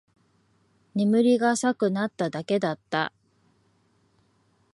眠りが浅くなっただけだった